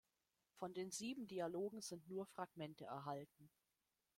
Von den sieben Dialogen sind nur Fragmente erhalten.